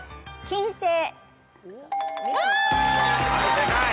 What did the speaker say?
正解。